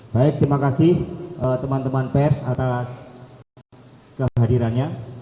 baik terima kasih teman teman pers atas kehadirannya